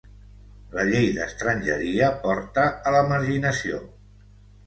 La llei d’estrangeria porta a la marginació.